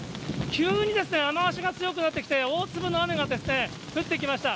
急にですね、雨足が強くなってきて、大粒の雨が降ってきました。